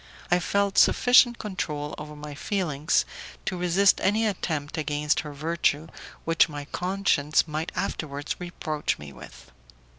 I felt sufficient control over my own feelings to resist any attempt against her virtue which my conscience might afterwards reproach me with.